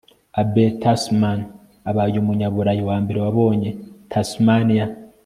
abel tasman abaye umunyaburayi wa mbere wabonye tasmaniya